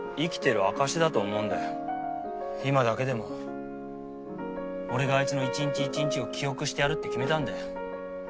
今だけでも俺があいつの一日一日を記憶してやるって決めたんだよ。